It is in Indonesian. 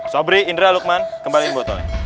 sobri indra lukman kembaliin botolnya